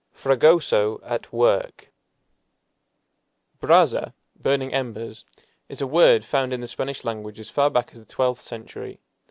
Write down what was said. FRAGOSO AT WORK "Braza" (burning embers) is a word found in the Spanish language as far back as the twelfth century.